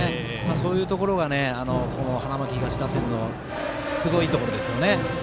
そういうところが花巻東打線のすごいところですよね。